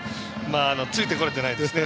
ついてこれてないですね。